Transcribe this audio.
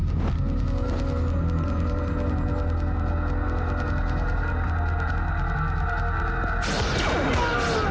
sekiranya aku bisa mengambil diriiquan pakai adiknya